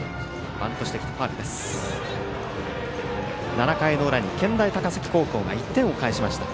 ７回の裏に健大高崎高校が１点を返しました。